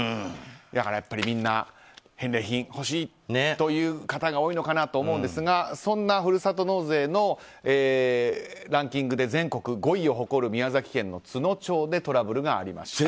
だから、やっぱりみんな返礼品欲しいという方が多いのかなと思うんですがそんなふるさと納税のランキングで全国５位を誇る宮崎県の都農町でトラブルがありました。